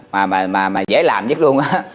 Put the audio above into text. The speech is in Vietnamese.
mà dễ làm nhất luôn